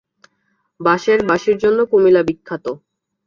বাঁশের বাঁশির জন্য কুমিল্লা বিখ্যাত।